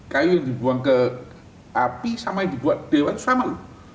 kayu yang dibuang ke api sama yang dibuat dewan itu sama loh